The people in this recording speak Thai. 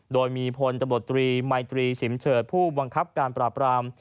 โดยมีพลตำรวจตรีมัยตรีฉิมเฉิดผู้บังคับการปราบราม